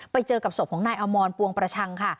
ไปเจอกับศพของนายอมรปวงประชังค่ะ